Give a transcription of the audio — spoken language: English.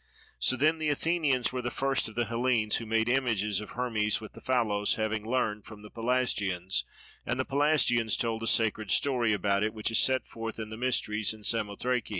So then the Athenians were the first of the Hellenes who made the images of Hermes with the phallos, having learnt from the Pelasgians; and the Pelasgians told a sacred story about it, which is set forth in the mysteries in Samothrake.